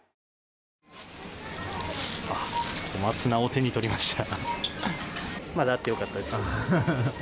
小松菜を手に取りました。